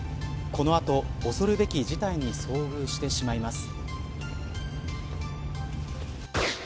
この後、恐るべき事態に遭遇してしまいます。